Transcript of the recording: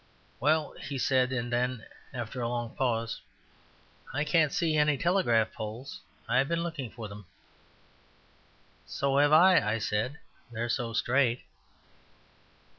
"Well," he said; and then, after a long pause, "I can't see any telegraph poles. I've been looking for them." "So have I," I said. "They're so straight."